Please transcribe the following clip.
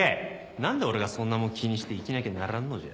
何で俺がそんなもん気にして生きなきゃならんのじゃ。